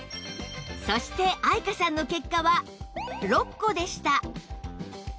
そして愛華さんの結果は６個でした